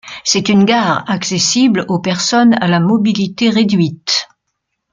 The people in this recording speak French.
C'est une gare accessible aux personnes à la mobilité réduite.